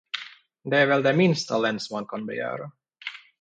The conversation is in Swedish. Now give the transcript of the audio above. Det är väl det minsta länsman kan begära.